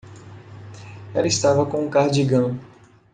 Ela estava com o cardigã.